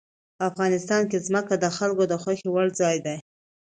افغانستان کې ځمکه د خلکو د خوښې وړ ځای دی.